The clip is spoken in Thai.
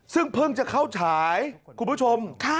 ซึ่งเพิ่งจะเข้าฉายคุณผู้ชม